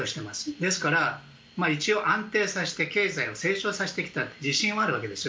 ですから、一応安定させて経済を成長させてきたという自信はあるわけですよ